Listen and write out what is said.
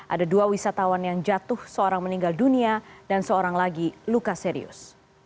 ada dua wisatawan yang jatuh seorang meninggal dunia dan seorang lagi luka serius